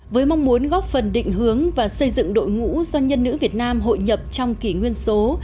với mong muốn góp phần định hướng và xây dựng đội ngũ doanh nhân nữ việt nam hội nhập trong kỷ nguyên số